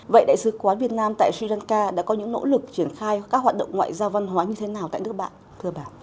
vậy đại sứ quán việt nam tại sri lanka đã có những nỗ lực triển khai các hoạt động ngoại giao văn hóa như thế nào tại nước bạn thưa bà